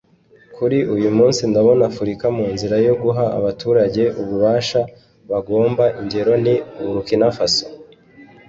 Kuri uyu munsi ndabona Afurika munzira yo guha abaturage ububasha bagomba ingero ni Burkinafaso